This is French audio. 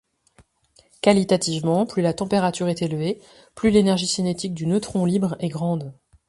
Qualitativement, plus la température est élevée, plus l'énergie cinétique du neutron libre est grande.